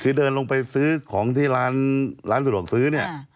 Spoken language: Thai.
คือเดินลงไปซื้อของที่ร้านสะดวกซื้อเนี่ย